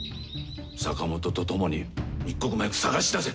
坂本と共に一刻も早く探し出せ！